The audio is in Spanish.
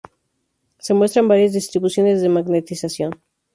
Se muestran varias distribuciones de magnetización.